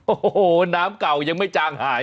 โอ้โหน้ำเก่ายังไม่จางหาย